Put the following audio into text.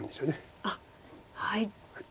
あっはい。